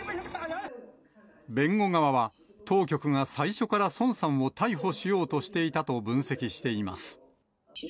弁護側は、当局が最初から孫さんを逮捕しようとしていたと分析しています。